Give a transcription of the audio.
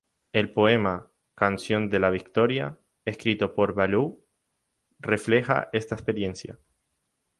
El poema "Canción de la Victoria", escrito por Ballou, refleja esta experiencia.